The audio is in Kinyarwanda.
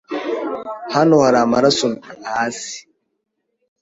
Hano hari amaraso hasi.